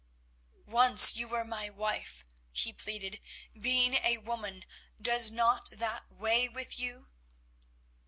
"Once you were my wife," he pleaded; "being a woman, does not that weigh with you?"